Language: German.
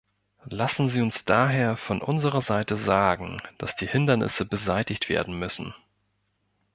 Lassen Sie uns daher von unserer Seite sagen, dass die Hindernisse beseitigt werden müssen.